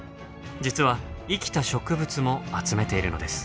実は生きた植物も集めているのです。